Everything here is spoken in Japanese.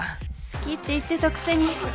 好きって言ってたくせに！